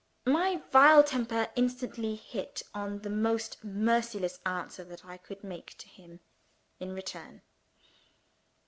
My vile temper instantly hit on the most merciless answer that I could make to him in return.